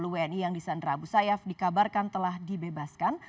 sepuluh wni yang disandra abu sayyaf dikabarkan telah dibebaskan